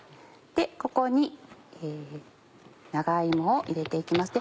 ここに長芋を入れて行きます。